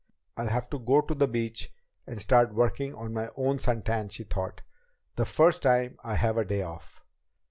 "I'll have to go to the beach and start working on my own sun tan," she thought, "the first time I have a day off."